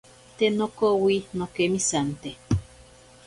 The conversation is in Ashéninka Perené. Te nokowi nokemisante.